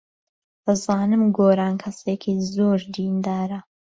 دەزانم گۆران کەسێکی زۆر دیندارە.